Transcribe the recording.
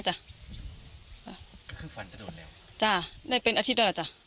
คือฝันก็โดดเร็วจ้าได้เป็นอาทิตย์แล้ว